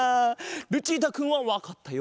ルチータくんはわかったようだぞ。